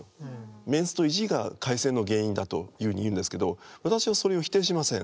メンツと意地が会戦の原因だというふうに言うんですけど私はそれを否定しません。